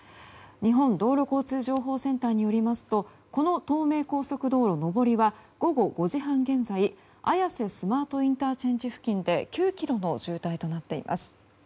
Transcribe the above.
日本道路交通情報センターによりますとこの東名高速道路上りは午後５時半現在綾瀬スマートＩＣ付近で９ｋｍの渋滞となっています。